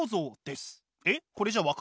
えっこれじゃ分からない？